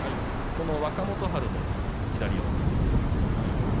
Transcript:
若元春も左四つの相撲。